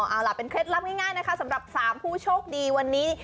เอาล่ะเป็นเคล็ดลับง่ายนะคะสำหรับ๓ผู้โชคดีวันนี้